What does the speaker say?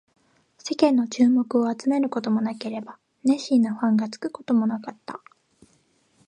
世間の注目を集めることもなければ、熱心なファンがつくこともなかった